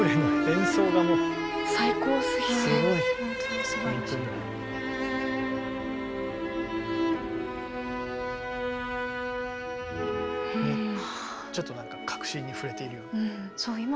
ちょっとなんか核心に触れているような。